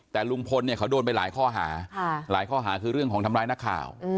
แต่ลุงพลเนี่ยเขาโดนไปหลายข้อหาหลายข้อหาคือเรื่องของทำร้ายนักข่าว